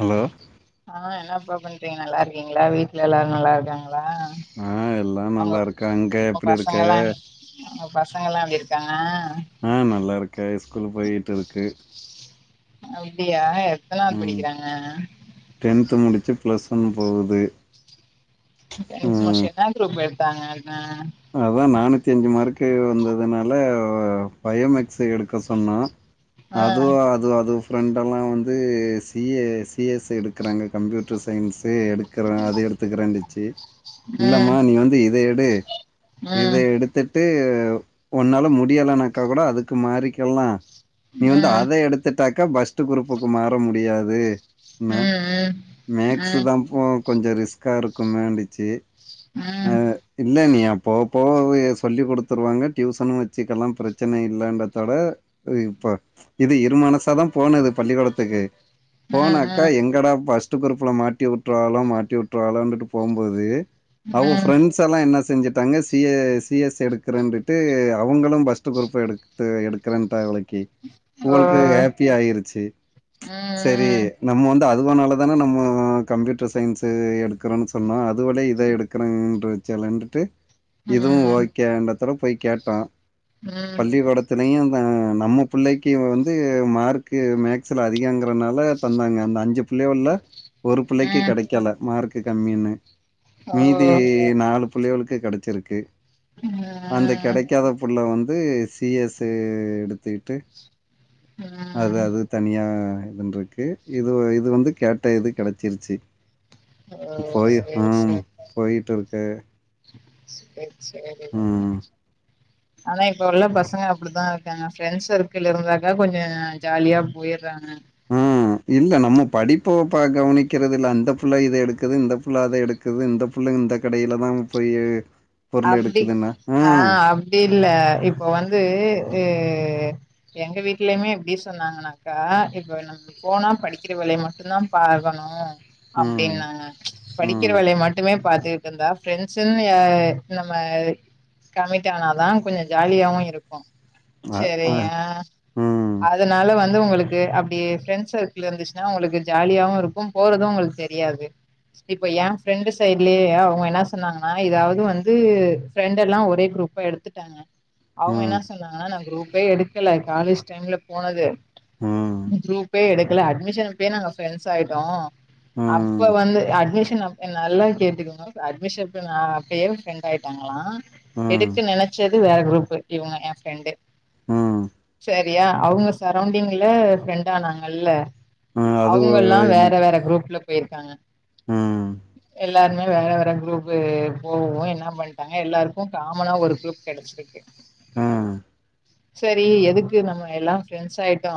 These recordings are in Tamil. ஹலோ ஆ என்னப்பா பண்றீங்க நல்லா இருக்கீங்களா வீட்ல எல்லாரு நல்லா இருக்காங்களா ஆ எல்லா உங்க நல்லா இருக்க அங்க உங்க எப்படி இருக்க பசங்கல்லா உங்க பசங்க எல்லாம் எப்டி இருக்காங்க ஆ நல்லா இருக்கே ஸ்கூல் போயிட்டு இருக்கு அப்டியா எத்தனாவுது படிக்கிறாங்க டென்த்து முடிச்சி ப்ளஸ் ஒன் போவுது டென்த் முடிச்சு என்ன குரூப் எடுத்தாங்க அவுங்க அதா நானூத்தி அஞ்சு மார்க்கு வந்துனால பயோமேக்ஸ் எடுக்க சொன்னா ஆ அதோ ஆ அது அது ஃப்ரெண்ட்லாம் வந்து சி ஏ சி எஸ் எடுக்கறாங்க கம்ப்யூ ட்ர் சயின்ஸே எடுக்கிற அது எடுத்துக்கிறேண்டுச்சு இல்லம்மா ம் நீ வந்து இதை எடு இத ம் எடுத்துட்டு உன்னால முடியலனாக்கா கூட அதுக்கு மாறிக்கலாம் நீ வந்து ம் அத எடுத்துட்டாக்கா ஃபஸ்ட்டு குரூப்புக்கு மாற முடியாது ம் ம ம் மேக்ஸ் தான்ப்பா கொஞ்ச ரிஸ்க்கா இருக்கும் வேண்டுச்சு உம் இல்லை நீ அப் போக போக அவுக சொல்லி குடுத்துருவாங்க டியூசனும் வச்சுக்கல்லாம் பிரச்சன இல்லன்றதோட இது இப்போ இது இரு மனசாதா போனது பள்ளிக்கோடத்துக்கு போனாக்கா ம் எங்கடா ஃபஸ்ட்டு குரூப்புல மாட்டி விட்டுறவாலோ மாட்டி விட்டுறாலோன்டு போம்போது அவுங்க ஃப்ரெண்ட்ஸ் எல்லாம் என்ன செஞ்சிட் டாங்க சி எ சி எஸ் எடுக்கறன்ட்டு அவங்களும் ஃபஸ்ட் குரூப் எடு எடுத்து எடுக்கறேன்ட்டாங்க அவலைக்கி ஓ உங்களுக்கு ஹாப்பி ஆயிருச்சு ம் செரி நம்ம வந்து அதுவானால தான நம்ம கம்ப்யூட்டர் சயின்ஸ் எடுக்குறோன்னு சொன்னோ அதவிட இதை எடுக்குறாங்கன்ற கலந்துட்டு இதுவு ம் ஓகே எண்ணதோட போய் கேட்டோ ம் ம் பள்ளி கூட த்துலயு தா நம்ம புள்ளைக்கு வந்து மார்க்கு மேக்ஸ்ல அதிகங்கிறனால தந்தாங்க அந்த அஞ்சு புள்ளைகள்ல்ல ஒரு பிள்ளைக்கு கெடைக்கல மார்க் கம்மின்னு ஓ மீதி நாலு புள்ளகோளுக்கு கெடைச்சிருக்கு அந்த ம் கெடைக்காத புள்ள வந்து சி எஸ் ஏ எடுத்துக்கிட்டு அது ம் அது தனியா இதுன்றுக்கு இது இது வந்து கேட்ட இது கெடச்சிருச்சி ஓ போயி ஆம் போயிட்டு இருக்கு சேர் சேரி ம் ஆனா இப்ப உள்ள பசங்க அப்டித்தா இருக்காங்க ஃப்ரெண்ட்ஸ் சர்க்கிள் இருந்தாக்கா கொஞ்சோ ஜாலியா போயிர்றாங்க ம் இல்ல நம்ம படிப்ப பாக் கவனிக்கிறது இல்ல அந்த புள்ள இத எடுக்குது இந்த புள்ள அத எடுக் குது இந்த புள்ளை இந்த கடையில தான் போய் பொருள் எடுக்குதுன்னா ஆ இப்டி இல்ல இப்ப வந்து எங்க வீட்லயுமே எப்டி சொன்னாங்கன்னாக்கா இப்ப நம் போனா படிக்கிற வேலைய மட்டுந்தா பாக்கணு ம் அப்டின்னாங்க படிக்கிற ம் வேலைய மட்டுமே பாத்துட்டு இருந்தா ஃப்ரெண்ட்ஸ்ன்னு யா நம்ம கமிட்டானாதா கொஞ்சோ ஜாலியாவு இருக்கு அ அ சரியா ம் அதனால வந்து உங்களுக்கு அப்டி ஃப்ரெண்ட்ஸ் சர்க்கிள் இருந்துச்சுன்னா உங்களுக்கு ஜாலியாவு இருக்கு போறது ஒங்களுக்கு தெரியாது இப்ப ஏ ஃப்ரெண்டு் சைடுலயே அவங்க என்ன சொன்னாங்கன்னா இதாவது வந் து ஃப்ரெண்ட் எல்லா ஒரே குரூப்பா எடுத்துட்டாங்க அவங்க என்ன ம் சொன்னாங்கன்னா நா குரூப்பே எடுக்கல காலேஜ் டைம்ல போனது ம் குரூப்பே எடுக்கல அட்மிஷன் அப்பயே நாங்க ஃப்ரெண்ட்ஸ் ஆயிட்டோ ம் அப்ப வந்து அட்மிஷன் அப்ப நல்லா கேட்டுக்கோங்க அட்மிஷன் அப்ப நா அப்பயே ஃப்ரெண்ட் ஆயிட்டாங்களா ம் எடுக்கு நெனச்சது வேற குரூப் இவங்க ஏ ஃப்ரெண்டு ம் சரியா அவுங்க சரௌண்டிங்ல ஃப்ரெண்ட் ஆனாங்கல்ல ம் அது அவங்கல்லா வேற எனக்கு வேற குரூப்ல போயிருக்காங்க ம் எல்லாருமே வேற வேற குரூப்பு போகவு என்ன என்ன பண்டாங்க எல்லாருக்கு காமனா ஒரு குரூப் கெடச்சிருக்கு ம் சரி எதுக்கு நம்ம எல்லா ஃப்ரெண்ட்ஸ் ஆயிட்டோ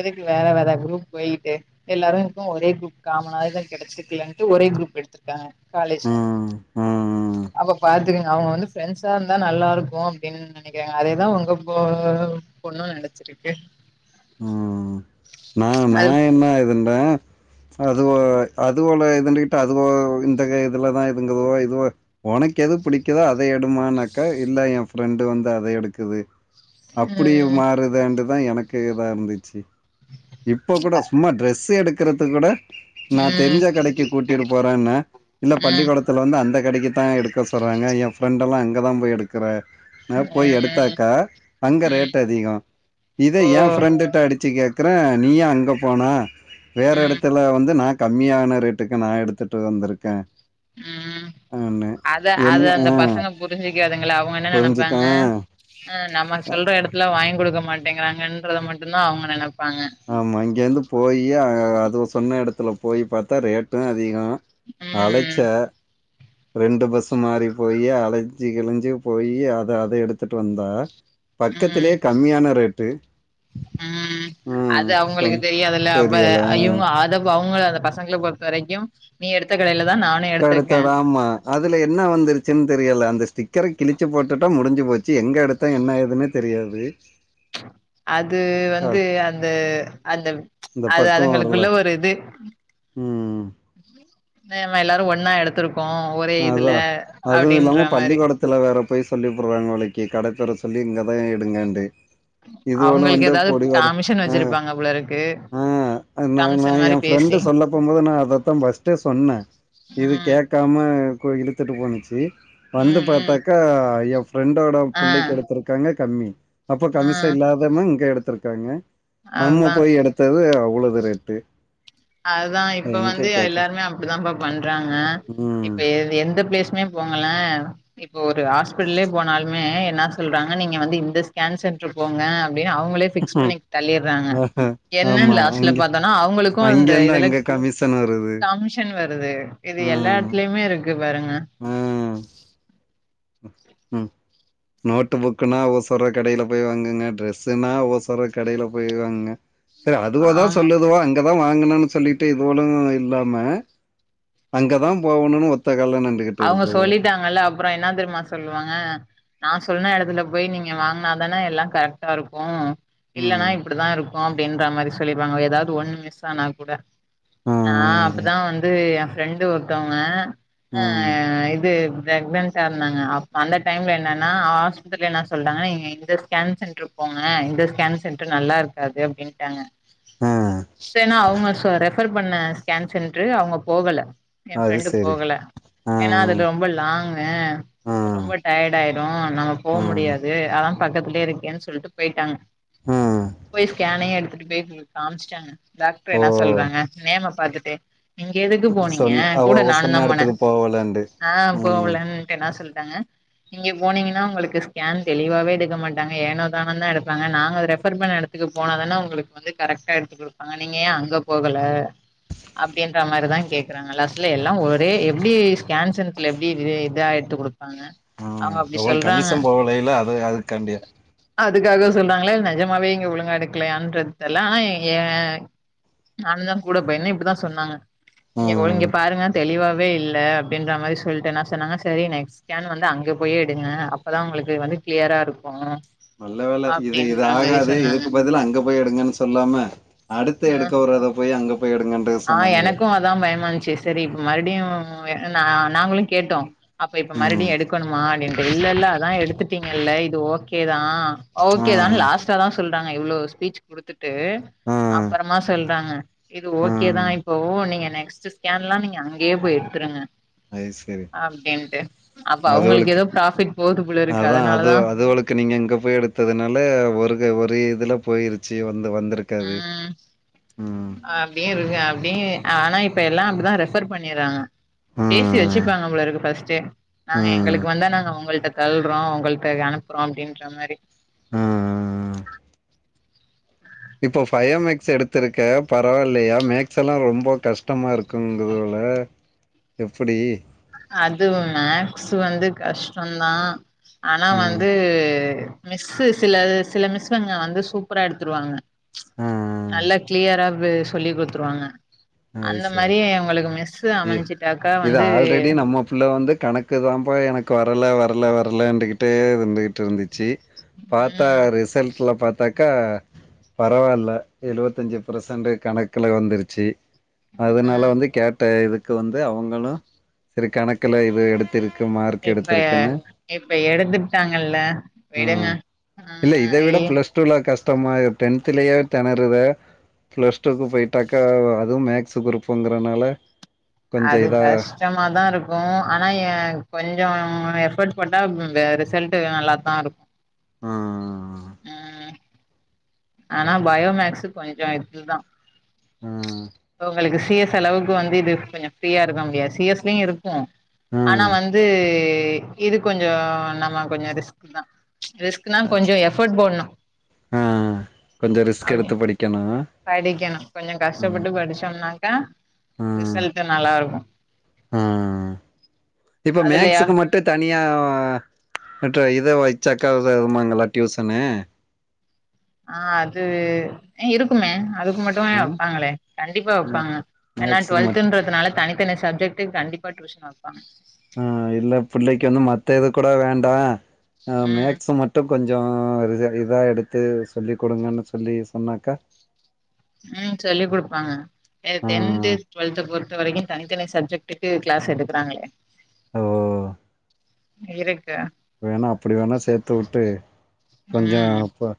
எதுக்கு வேற வேற குரூப் போயிட்டு எல்லாருக்கு ஒரே குரூப் காமனாவேதா கெடச்சிருக்குலன்ட்டு ஒரே குரூப் எடுத்துருக்காங்க காலேஜ்ல ம் ம் அப்ப பாத்துக்கங்க அவங்க வந்து ஃப்ரெண்ட்ஸா இருந்தா நல்லா இருக்கு அப்டின் நெனைக்கிறாங்க அதேதா ஒங்க போ பொண்ணு நெனச்சிருக்கு ம் நா நா அது என்ன இதுண்டா அதுவோ அதுவோல இதுன்டுகிட்டு அதுவோ இந்த இதுலதா இதுங்குதோ இதுவோ ஒனக்கு எது பிடிக்குதோ அத எடுமானாக்க இல்ல ஏ ஃப்ரெண்டு வந்து அத எடுக்குது அப்டி ம் மாறுதேண்டுதா எனக்கு இதா இருந்துச்சு இப்ப கூட சும்மா ட்ரெஸ் எடுக்குறதுக்கு கூட நா ம் தெரிஞ்சா கடைக்கு கூட்டிட்டு போறேன்னே இல்ல ம் பள்ளிக்கூடத் துல வந்து அந்த கடைக்கு தா எடுக்க சொல்றாங்க ஏ ஃப்ரெண்டெல்லா அங்கதா போய் எடுக்குற ஆ ம் போய் ம் எடுத்தாக்கா அங்க ம் ரேட் அதிகோ இத ஓ ஏ ஃப்ரெண்ட்டுட்ட அடிச்சு கேக் குறே நீ ஏ அங்க போன வேற ம் எடத்துல வந்து நா கம்மியான ரேட்டுக்கு நா எடுத்துட்டு வந்துருக்கே ம் அத அத எல்லாம் ஆ அந்த பசங்க புரிஞ்சிக்காதுங்கல்ல அவங்க என்ன புரிஞ்சுக்க நெனப்பாங்க ஆ ஆ நம்ம சொல்ற இடத்துல வாங்கி குடுக்க மாட்டேங்கிறாங்கன்றத மட்டும்தா அவங்க நெனப்பாங்க ஆமாம் இங்க இருந்து போயி அது சொன்ன எடத்துல போய் பாத்தா ரேட்டு அதிக அழைச்ச ம் ரெண்டு பஸ்ஸு மாறி போய் அலஞ்சு கிழஞ்சு போய் அத அத எடுத்துட்டு வந்த ம் பக்கத்திலயே கம்மியான ரேட்டு ம் ம் அது அவங்களுக்கு சொன்ன தெரியாதுல்ல அப்ப தெரியல இவங்க அத அவங்கள அந்த பச தங்கள பொறுத்த வரைக்கு நீ எடுத்த கடைல தா நான் கெடுத்த ரா மா அதுல என்ன வந்துருச்சுன் தெரியல அந்த ஸ்டிக்கர கிழிச்சு போட்டுட்டா முடிஞ்சு போச்சு எங்க எடுத் த்த என்ன ஏதுன்னே தெரியாது அது அ வந்து அந்த அந்த இந்த அது பக்கம் வரல. அதுங்களுக்குள்ள ஒரு இது ம் நம்ம எல்லாரு ஒன்னா எடுத்திருக்கோ ஒரே இதுல அப்படின்ற மாரி இதுல வேற பொய் சொல்லி புடு்றாங்க நாளைக்கு கடப்பேற சொல்லி இங்க தா எடுங்கண்டு அவங்களுக்கு எதாவது கமிஷன் ஆ, வச்சிருப்பாங்க போல இருக்கு ஆ நா ஃபிரண்டு சொல்ல போம்போது நா அதத்தா ஃபர்ஸ்ட் சொன்ன இது ம் கே க்காம இழுத்துட்டு போனுச்சி வந்து ம் ம் பாத்தாக்கா ஐயா ஃபிரெண்டோட ஆ பிள்ளைக்கு எடுத்திருக்காங்க கம்மி அப்ப ஆ கமிசா இல்லாதமா இங்க எடுத்திருக்காங்க நம்ம அதுதா போய் எடுத்தது அவ்ளோது ரேட்டு அதுதான் இப்ப எங்க வந்து கேக்க எல்லாருமே அப்டிதான்ப்பா பண்றாங்க இப்ப ம் எ எந்த பிளேஸ்மே போங்களே இப்போ ஒரு ஹாஸ்பிடலே போனாலுமே என்னா சொல்றாங்க நீங்க வந்து இந்த ஸ்கேன் சென்டரு போங்க அப்டின் அவங்களே பிக்ஸ் பண்ணி தள்ளிறாங்க ஆஹா. என்னன் ஆமா லாஸ்ட்ல அங்க பாத்தோனா அவங்களுக்கு இப்போ அந்த அங்கேருந்து இதுல அங்க கமிஷன் வருது கமிஷன் வருது இது எல்லா ம் எடத்துலயுமே இருக்கு பாருங்க ம் ம் நோட் புக்குன்னா ஓசர கடைல போய் வாங்குங்க ட்ரெஸ்ஸுனா ஓசர கடைல போய் வாங்குங்க சரி அதுவாதா ஆமா சொல்லுதோ அங்கதா வாங்கணுனு சொல்லிட்டு இதுவலு இல்லாம அங்கதா போவணுன் ஒத்தக்கால்ல நின்டுகிட்டு அவங்க இருக்குதுவோ சொல்லிட்டாங்கல்ல அப்பற என்னா தெரியுமா சொல்லுவாங்க நான் சொன்ன எடத்துல போய் நீங்க வாங்னாதான எல்லா கரெக்ட்டா இருக்கு இல்லனா ம் இப்டித்தா இருக்கு அப்படின்ற மாரி சொல்லிருவாங்க எதாவது ஒண்ணு மிஸ் ஆனா கூட நான் ம் அப்பதா வந்து என் ஃப்ரெண்டு ஒருத்தவங்க ஆ ம் இது ப்ரெக்னன்ட் டாருந்தாங்க அந்த டைம்ல என்னனா ஆஸ்பத்திரில என்ன சொல்லிட்டாங்க நீங்க இந்த ஸ்கேன் சென்டரு போங்க இந்த ஸ்கேன் சென்டர் நல்லாருக்காது அப்டின்ட்டாங்க ஆ சன்னா அவங்க ரெஃபர் பண்ண ஸ்கேன் சென்ட்ரு அவங்க போகல என் அது ஃப்ரெண்டு சரி போகல ஆ ஏன்னா அதுல ரொம்ப லாங்கு ஆ ரொம்ப டயர்ட் ஆயிடு நம்ம போ ஆ முடியாது அதா பக்கத்துலயே இருக்கேன்னு சொல்ட்டு போயிட்டாங்க ஆ ஆ போய் ஸ்கேனையு எடுத்துட்டு போய் காமிச்சுட்டங்க டாக்டர் என்ன ஓ சொல்றாங்க நேம பாத்துட்டு இங்க எதுக்கு போனீங்க சொன் அவ கூட அவ நானு தா சொன்ன போன எடத்துக்கு போவலண்டு நா ம் போகலன்ட்டு என்னா சொல்ட்டாங்க நீங்க போனீங்கனா உங்களுக்கு ஸ்கேன் தெளிவாவே எடுக்க மாட்டாங்க ஏனோ தானன்தா எடுப்பாங்க நாங்க ரெஃபர் பண்ண எட இத்துக்கு போனாதான உங்களுக்கு வந்து கரெக்டா எடுத்து குடுப்பாங்க நீங்க ஏன் அங்க போகல அப்டின்ற மாரிதா கேக்குறாங்க லாஸ்ட்ல எல்லா ஒரே எப்டி ஸ்கேன் சென்ட்ல எப்டி இ இதா எடுத்து கொடுப்பாங்க அவ்ளோ கமிஷம் போகலையல அது அதுக்கண்டியா அதுக்காக சொல்றாங்களா நஜமாவே இங்க ஒழுங்கா எடுக்கலையான்றது தெர்ல ஆனா ஏ நானுதா கூட போயிந்தே இப்டிதா சொன்னாங்க நீங்க ஒ இங்க ம் பாருங்க தெளிவாவே இல் க அப்டின்ற மாரி சொல்ட்டு என்ன சொன்னாங்க சரி நெக்ஸ்ட் ஸ்கேன் வந்து அங்க போய் எடுங்க அப்பதா உங்களுக்கு வந்து கிளியரா இருக்கு நல்ல வேல இது இது அப்டின்ற மாரி ஆகாது சொன்னாங்க இதுக்கு பதில் அங்க போய் எடுங்கன் சொல்லாம அடுத்த ஆ எடுக்க போறத போய் அங்க போய் எடுங்கன்ற சொல் ஆ எனக்கு அதா பயமா இருந்ச்சுஸ் சரி மறுடியு நா நாங்களு கேட்டோ அப்ப இப்ப மறுடியு ம் எடுக்கணுமா அப்டின் இல்ல இல்ல அதா எடுத்துட்டீங்கல்ல இது ஓகேதா ஓகே தான் ம் லாஸ்ட் [unintelligible] சொல்றாங்க இவ்ளோ ஸ்பீச் குடுத்துட்டு ம் அப்பறமா சொல்றாங்க இது ஓகேதா ம் இப்போ நீங்க நெக்ஸ்ட் ஸ்கேன்லா நீங்க அங்கயே போய் எடுத்துருங்க அது சரி அப்டின்ட்டு அப்ப அவங்களுக்கு அதுகளுக்கு ஏதோ ப்ராஃபிட் போது போல இருக்கு அதுனாலதா க்கு நீங்க இங்க போய் எடுத்ததுனால ஒருக ஒரு இதுல போயிருச்சு வந்து வந்துருக் க ம் ஆ அப்டியே இருங்க அப்டியே ஆனா இப்ப எல்லா அப்டிதா ரெஃப்பர் பண்ணிறாங்க பேசி ம் வச்சுப்பாங்க போல இருக்கு ஃபஸ்ட்டே நாங்க ம் எங்களுக் வந்தா நாங்க உங்கள்ட்ட தல்றோ உங்கள்ட அனுப்புறோ அப்டின்ற மாரி ம் இப்போ ஃபயோ மேக்ஸ் எடுத்திருக்க பரவாயில்லயா மேக்ஸ் எல்லா ரொம்ப கஷ்டமா இருக்குந்துல எப்புடீ அது மேக்ஸ் வந்து கஷ்டோந்தா ஆனா ம். வந்து மிஸ்சு சில சில மிஸ்ங்க வந்து சூப்பரா எடுத்துருவாங்க ஆ, ஆ. நல்லா கிளியரா சொல்லி குடுத்துருவாங்க அது அந்த சரி. மாரி எங்களுக்கு மிஸ்சு இ அமஞ்சுட்டாக்கா இது வந்து ஆல்ரெடி நம்ம புல்ல வந்து கணக் கு தான்ம்பா எனக்கு வரல வரல வரலண்டுக்கிட்டே இருந்துக்கிட்டு இருந்துச்சு பாத்தா ம் ரிசல் ட்ல பாத்தாக்கா பரவால்ல எழுவத்தஞ்சு ப்ரசன்ட்டு கணக்குல வந்துருச்சு அதனால ம் வந்து கேட்ட இதுக்கு வந்து அவங்களு சரி கணக்கல இது எடுத்திருக்கு மார்க் இப்பய எடுத்திருக்குன்னு இப்ப எடுத்துட்டாங்கல்ல விடுங்க ம். ஆ இல்ல இத விட ஐய பிளஸ் டூல கஷ்டமா டென்தலே தெனறுவ பிளஸ் டூக்கு போயிட்டாக்க அதுவு மேக் சு குரூப்ங்கரனால அது பஸ்ட் கஷ்டமாதா இருக்கு ஆனா ஏ கொஞ்ஜோ எஃப்பர்ட் போட்டா ரிசல்ட் நல்லாதா இருக்கு ஆ ம் ஆனா பயோமேக்ஸ்சு கொஞ்ச இதுதா ஆ உங்களுக் சிஎஸ் அளவுக்கு வந்து இது கொஞ்சோ ஃப்ரீயா இருக்க முடியாது சிஎஸ்லயு இருக் கு ஆ ஆனா வந்து இது கொஞ்சோ நம்ம கொஞ்ச ரிஸ்க்தா ரிஸ்க்னா கொஞ்ச எஃபர்ட் போட்ணு ம் கொஞ்ச ரிஸ்க் அப்டி எடுத்து படிக்கணு படிக்கணு கொஞ்சோ ம் கஷ்டப்பட்டு படிச்சோம்னாக்கா ம் ரிசல்ட் நல்லா இருக்கு ஆ இப்ப அதுலயா மேக்ஸுக்கு மட் விட்டு தனியாக ந இத வைச்சாக்கா வருதுமாங்களா டியூசனு ஆ அது இருக்குமே அதுக்கு மட்டும் வைப்பாங்களே கண்டிப்பா வைப்பாங்க ஏனா மேக்ஸுக்கு மட் டுவெல்தன்றதுனால தனி இத்தன சஜெக்டுக்கு கண்டிப்பா டியூஷன் வைப்பாங்க ஆ இல்ல பிள்ளைக்கு வந்து மத்த இது கூட வேண்டா ஆ ம் மேக்ஸ் மட்டு கொஞ்சோ கொஞ்சோ ரி இதா எடுத்து சொல்ல கொடுங்கன்னு சொல்லி சொன்னாக்கா உ சொல்லி கொடுப்பாங்க ஆ டென்து டு்வெல்த் பொறுத்த வரைக்கு தனித்தனி சப்ஜெக்டுக்கு கிளாஸ் எடுக்குறாங்க ஹலோ இருக்க வேணா அப்டி வேணா சேர்த்து விட்டு ம் கொஞ்சோப்ப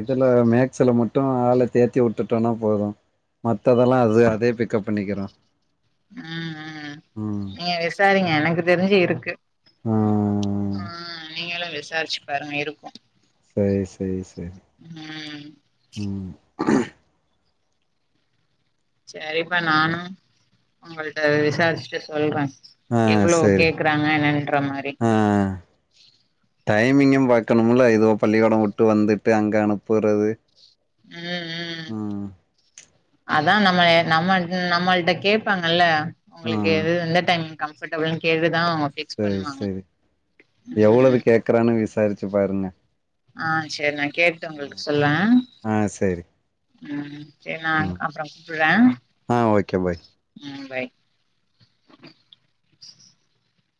இதுல மேக்சல மட்டு ஆள தேத்தி விட்டுட்டோனா போது மத்ததெல்லா அது அதே பிக்கப் பண்ணிக்கி பண்ணிக்கிரூ உ உ நீங்க விசாரிங்க எனக்கு தெரிஞ்சு இருக்கு ஆ ஆ நீங்களு விசாரிச்சு பாருங்க இருக்கு சேரி சேரி சேரி ம் உ சேரிப்பா நானு உங்கள்ட்ட விசாரிச்சுட்டு சொல்றே ஆ எவ்ளோ சரி கேக்குறாங்க என்னன்ற மாதிரி ஆ டைமிங்கு பார்க்கணுல ஏதோ பள்ளிக்கூட விட்டு வந்துட்டு அங்க அனுப்புறது ம் ம் உ அதா நம்ம நம்ம நம்மள்ட்ட கேட்பாங்கல்ல உங்களுக்கு ம் எது எந்த டைம் கம்ஃபர்டபுள்னு கேட்டுதா அவ பிக் சேரி சேரி எவ்வளோ கேட்கறானு விசாரிச்சு பாருங்க ஆ சேரி நா கேட்டு உங்களுக்கு சொல்றேன் ஆ சரி உ சேரி நா ம் அப்றோ கூப்புறே ஆ ஓகே பாய் உ பை